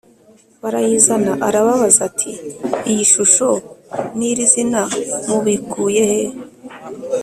barayizana arababaza ati iyi shusho n iri zina mubikuye he